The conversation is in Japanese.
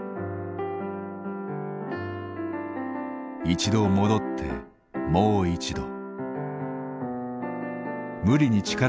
一度戻ってもう一度。